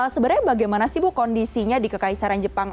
sebenarnya bagaimana sih bu kondisinya di kekaisaran jepang